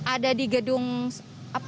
ada di gedung sarana